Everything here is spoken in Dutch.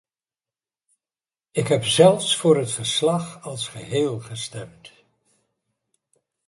Ik heb zelfs voor het verslag als geheel gestemd.